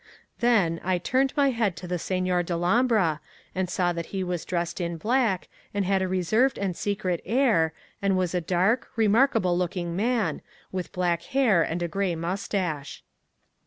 Then, I turned my head to the Signor Dellombra, and saw that he was dressed in black, and had a reserved and secret air, and was a dark, remarkable looking man, with black hair and a grey moustache.